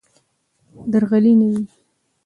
درغلي نه وي.